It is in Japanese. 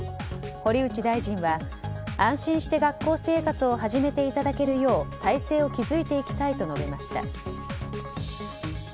堀内大臣は安心して学校生活を始めていただけるよう体制を築いていきたいと述べました。